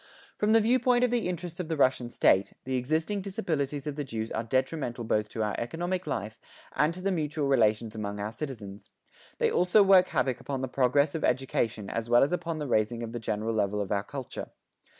From the viewpoint of the interests of the Russian state, the existing disabilities of the Jews are detrimental both to our economic life, and to the mutual relations among our citizens; they also work havoc upon the progress of education as well as upon the raising of the general level of our culture.